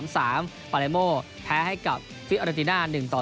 ปาเลโมแพ้ให้กับฟิอราตินา๑๓